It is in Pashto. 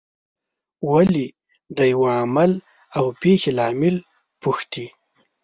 ولې د یوه عمل او پېښې لامل پوښتي.